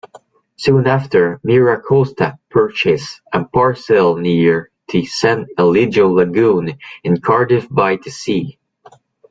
Soon after, MiraCosta purchased a parcel near the San Elijo Lagoon in Cardiff-by-the-Sea.